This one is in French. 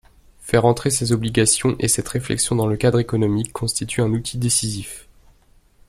Faire entrer ces obligations et cette réflexion dans le cadre économique constitue un outil décisif.